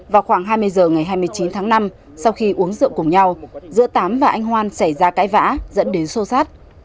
vào khoảng hai mươi h ngày hai mươi chín tháng năm sau khi uống rượu cùng nhau giữa tám và anh hoan xảy ra cãi vã dẫn đến sô sát